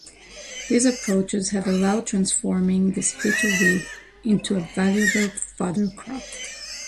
These approaches have allowed transforming this bitter weed into a valuable fodder crop.